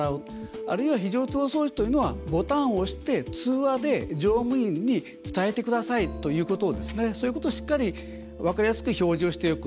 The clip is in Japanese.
あるいは非常通報装置というのはボタンを押して通話で乗務員に伝えてくださいということそういうことをしっかり分かりやすく表示しておく。